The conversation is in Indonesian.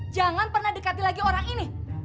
jangan pernah dekati lagi orang ini